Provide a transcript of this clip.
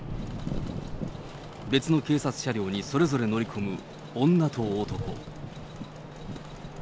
別の警察車両にそれぞれ乗り込む女と男。